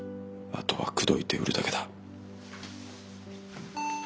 あとは口説いて売るだけだ。